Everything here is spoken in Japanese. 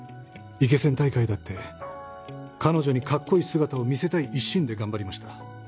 イケセン大会だって彼女にかっこいい姿を見せたい一心で頑張りました。